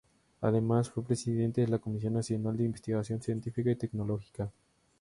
Además, fue presidente de la Comisión Nacional de Investigación Científica y Tecnológica.